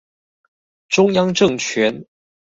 中央政權